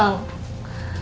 kamu gak tau kan